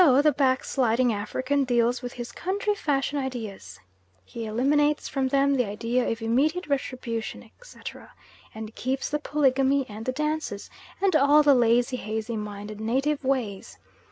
So the backsliding African deals with his country fashion ideas: he eliminates from them the idea of immediate retribution, etc., and keeps the polygamy and the dances, and all the lazy, hazy minded native ways.